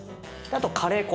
あとカレー粉。